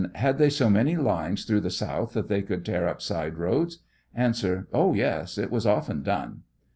Had they so many lines through the South that they could tear up side roads? A. Oh, yes, it was often done.